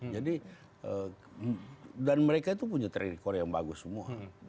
jadi dan mereka itu punya trakore yang bagus semua